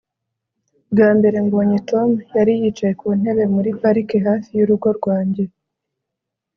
Bwa mbere mbonye Tom yari yicaye ku ntebe muri parike hafi yurugo rwanjye